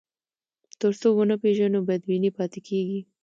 تر څو ونه پېژنو، بدبیني پاتې کېږي.